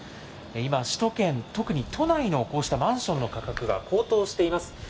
今、首都圏、特に都内のこうしたマンションの価格が高騰しています。